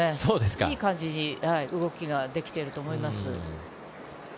いい感じに動きができていると思います。